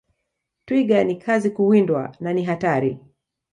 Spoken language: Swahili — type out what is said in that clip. Twiga ni kazi kuwindwa na ni hatari